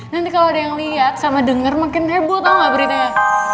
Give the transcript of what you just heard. nanti kalau ada yang lihat sama denger makin heboh tau gak beritanya